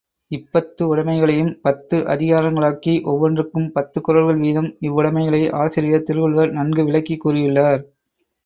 இப்பத்து உடைமைகளையும் பத்து அதிகாரங்களாக்கி ஒவ்வொன்றுக்கும் பத்துக் குறள்கள் வீதம் இவ்வுடைமைகளை ஆசிரியர் திருள்ளுவர் நன்கு விளக்கிக் கூறியுள்ளார்.